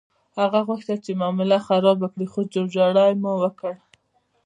هغه غوښتل چې معامله خرابه کړي، خو جوړجاړی مو وکړ.